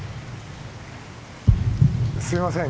すいません